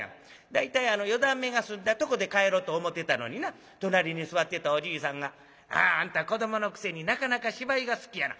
大体あの四段目が済んだとこで帰ろうと思ってたのにな隣に座ってたおじいさんが『あんた子どものくせになかなか芝居が好きやな。